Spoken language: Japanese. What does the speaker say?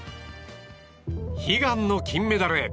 悲願の金メダルへ。